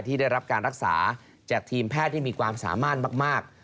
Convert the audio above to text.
ได้รับการรักษาจากทีมแพทย์ที่มีความสามารถมาก